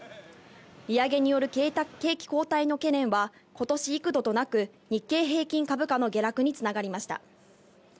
利上げによる景気後退の懸念は今年、幾度となく日経平均株価の下落に繋がりました。